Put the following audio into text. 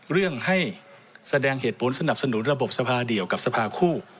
เรื่องให้แสดงเหตุผลสนับสนุนระบบสภาเดียวกับสภาคู่